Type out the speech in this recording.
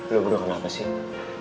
lu berdua kenapa sih